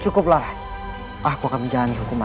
tak semestinya bernuncang dari sada